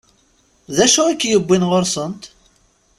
D acu i k-yewwin ɣur-sent?